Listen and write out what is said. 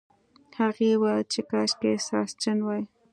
هغې وویل چې کاشکې ساسچن وای.